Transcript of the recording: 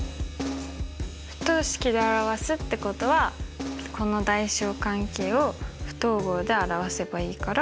不等式で表すってことはこの大小関係を不等号で表せばいいから。